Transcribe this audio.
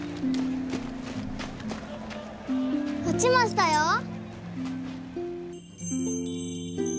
落ちましたよ。